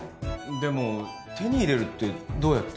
でも手に入れるってどうやって？